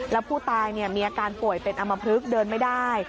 แล้วผู้ตายมีอาการป่วยเป็นอำมพลึกเดินไม่ได้